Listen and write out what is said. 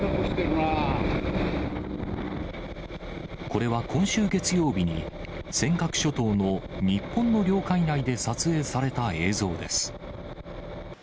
これは今週月曜日に、尖閣諸島の日本の領海内で撮影された映像です。